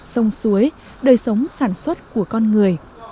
sông suối đời sống sản xuất của con người